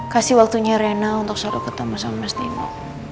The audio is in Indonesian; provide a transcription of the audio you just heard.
kasih waktunya reyna untuk selalu ketemu sama mas nino